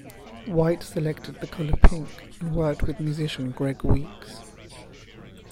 White selected the color pink, and worked with musician Greg Weeks.